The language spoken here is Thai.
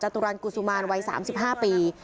ตุรันกุศุมารวัย๓๕ปี